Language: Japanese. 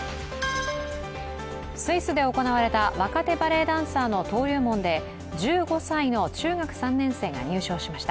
スイスで行われた若手バレエダンサーの登竜門で１５歳の中学３年生が入賞しました。